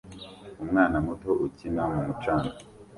Umwana muto ukina mu mucanga